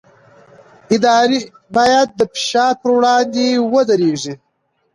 ادارې باید د فشار پر وړاندې ودرېږي